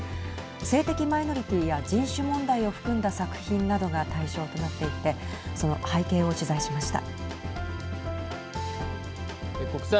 性的マイノリティーや人種問題を含んだ作品などが対象となっていてその背景を取材しました。